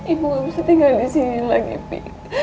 ibu ga bisa tinggal disini lagi pi